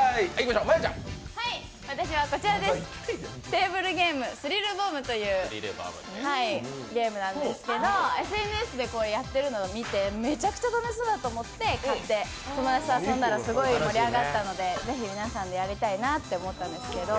テーブルゲーム、スリルボムというゲームですけど、ＳＮＳでやってるのを見て、めちくちゃ楽しそうだと思って買って友達と遊んだらすごい盛り上がったのでぜひ皆さんでやりたいなと思ったんですけど。